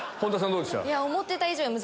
どうでした？